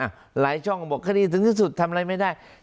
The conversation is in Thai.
หลายช่องบอกคดีถึงที่สุดทำอะไรไม่ได้